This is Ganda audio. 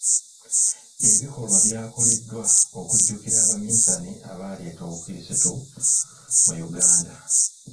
Ebikolwa byakoleddwa okujjukira abaminsane abaleeta Obukrisitu mu Uganda.